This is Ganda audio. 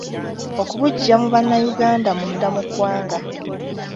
Okubuggya mu bannayuganda munda mu ggwanga.